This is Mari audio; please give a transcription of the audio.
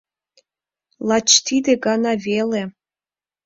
Лач тиде гана веле!